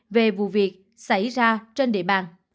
về vụ việc xảy ra trên địa bàn